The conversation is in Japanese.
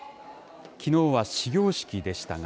きのうは始業式でしたが。